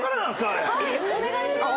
お願いしまーす。